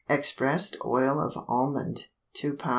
Expressed oil of almond 2 lb.